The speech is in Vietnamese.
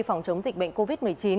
phòng chống dịch bệnh covid một mươi chín